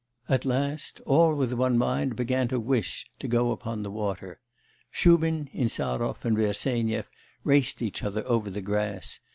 At last, all with one mind, began to wish to go upon the water. Shubin, Insarov, and Bersenyev raced each other over the grass.